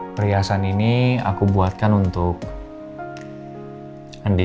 pernyiasan ini aku buatkan untuk andien